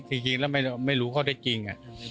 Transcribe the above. จริงแล้วไม่รู้ข้อได้จริง